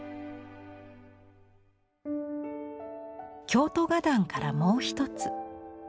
京都画壇からもう一つ。